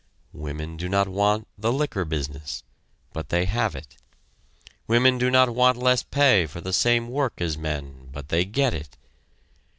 Women do not want the liquor business, but they have it; women do not want less pay for the same work as men, but they get it.